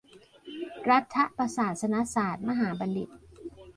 รัฐประศาสนศาตรมหาบัณฑิต